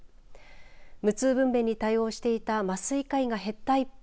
無痛分娩に対応していた麻酔科医が減った一方